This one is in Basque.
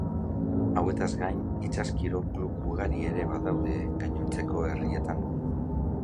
Hauetaz gain itsas-kirol klub ugari ere badaude gainontzeko herrietan.